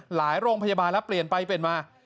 หลายโรงพยาบาลแล้วเปลี่ยนไปเป็นมา